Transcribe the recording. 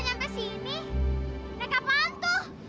nek kapan tuh